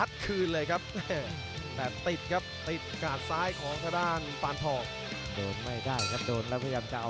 ยูเนดาจะดักประเทศญี่ผู้ชนะและภาษา